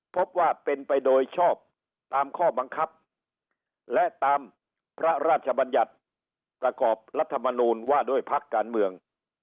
พบว่าเป็นไปโดยชอบตามข้อบังคับและตามพระราชบัญญัติประกอบรัฐมนูลว่าด้วยพักการเมือง